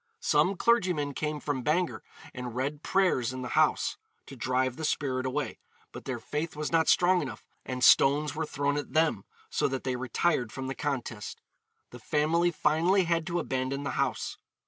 Some clergymen came from Bangor and read prayers in the house, to drive the spirit away, but their faith was not strong enough, and stones were thrown at them, so that they retired from the contest. The family finally had to abandon the house.